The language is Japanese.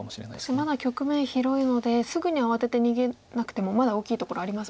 まだ局面広いのですぐに慌てて逃げなくてもまだ大きいところありますもんね。